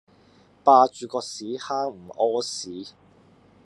霸住個屎坑唔痾屎